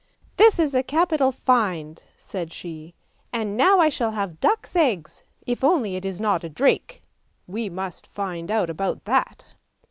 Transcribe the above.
:' This is a capital find," said she; ' now I shall have duck's eggs if only it is not a drake! we must find out about that!